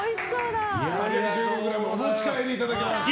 ３１０ｇお持ち帰りいただけます。